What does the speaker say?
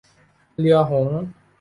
เรือหงส์